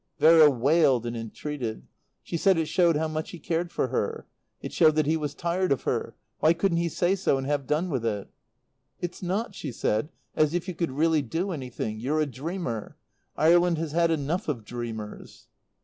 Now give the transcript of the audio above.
Vera wailed and entreated. She said it showed how much he cared for her. It showed that he was tired of her. Why couldn't he say so and have done with it? "It's not," she said, "as if you could really do anything. You're a dreamer. Ireland has had enough of dreamers."